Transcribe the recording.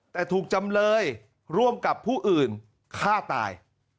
แต่ถูกจำเลยร่วมกับผู้อื่นฆ่าตาย